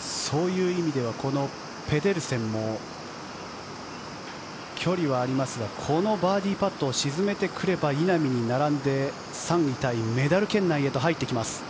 そういう意味ではこのペデルセンも距離はありますがこのバーディーパットを沈めてくれば稲見に並んで３位タイメダル圏内へと入ってきます。